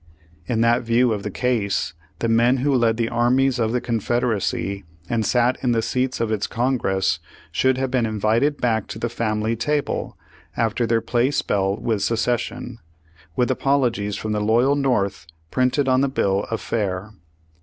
In that view of the case, the men who led the armies of the Confed Page Oae Hundred fifiy thiee eracy, and sat in the seats of its Congress, should have been invited back to the family table, after their play spell with secession, with apologies from the loyal North printed on the bill of fare.